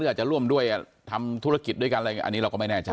อาจจะร่วมด้วยทำธุรกิจด้วยกันอะไรอย่างนี้เราก็ไม่แน่ใจ